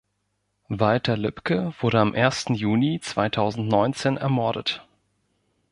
Walter Lübcke wurde am ersten Juni zweitausendneunzehn ermordet.